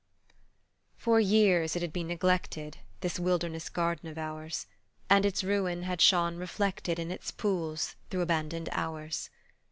FOR years it had been neglected, This wilderness garden of ours, And its ruin had shone reflected In its pools through abandoned hours.